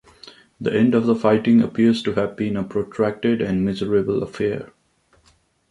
The end of the fighting appears to have been a protracted and miserable affair.